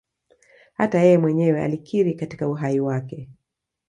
Hata yeye mwenyewe alikiri katika uhai wake